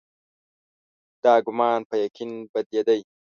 دا ګومان په یقین بدلېدی.